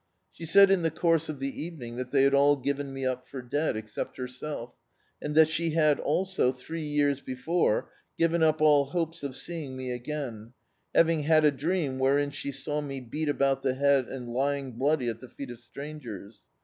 She said in the course of the evening, that they had all given me up for dead, except herself, and that she had also, three years before, given up all hopes of seeing me again, having had a dream wherein she saw me beat about the head and lying bloody at the feet of strangers.